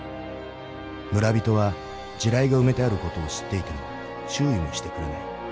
村人は地雷が埋めてある事を知っていても注意もしてくれない。